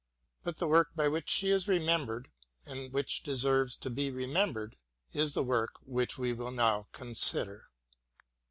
But the work by which she is remembered and which deserves to be remembered is the work which we wUHnow consider.